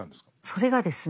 それがですね